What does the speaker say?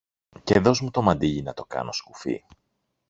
και δωσ' μου το μαντίλι να το κάνω σκουφί.